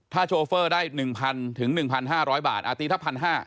ถ้าโชเฟอร์ได้๑๐๐ถึง๑๕๐๐บาทตีถ้า๑๕๐๐